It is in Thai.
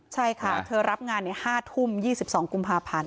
ใช่ค่ะเธอรับงาน๕ทุ่ม๒๒กุมภาพันธ์